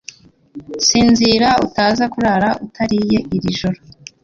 Sinzira utaza kurara utariye iri joro